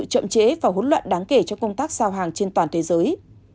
hỗn loạn đáng kể cho công tác sao hàng trên toàn thế giới